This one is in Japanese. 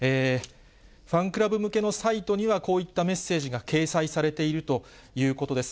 ファンクラブ向けのサイトには、こういったメッセージが掲載されているということです。